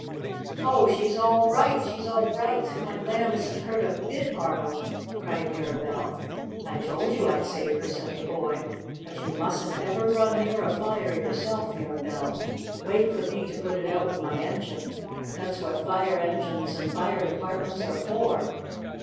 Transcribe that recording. "Oh, she's all right! She's all right! My Lamb isn't hurt a bit, Arnold," cried Mirabell. "I told you I'd save her," said the boy. "But you mustn't ever run near a fire yourself, Mirabell. Wait for me to put it out with my engine. That's what fire engines and fire departments are for."